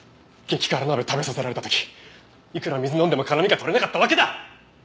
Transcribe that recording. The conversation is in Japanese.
食べさせられた時いくら水飲んでも辛味が取れなかったわけだ！